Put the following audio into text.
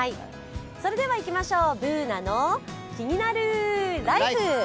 それではいきましょう「ＢｏｏｎａのキニナルＬＩＦＥ」。